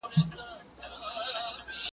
چي هر نوی کفن کښ وي موږ لاس پورته په ښرا یو `